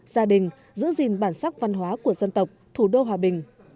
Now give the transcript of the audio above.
gia đình giữ gìn bản sắc văn hóa của dân tộc thủ đô hòa bình